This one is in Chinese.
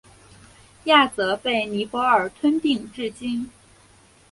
亚泽被尼泊尔吞并至今。